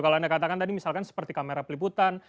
kalau anda katakan tadi misalkan seperti kamera peliputan